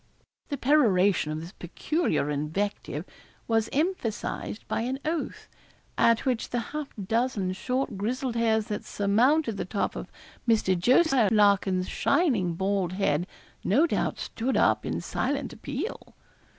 The peroration of this peculiar invective was emphasised by an oath, at which the half dozen short grizzled hairs that surmounted the top of Mr. Jos. Larkin's shining bald head no doubt stood up in silent appeal.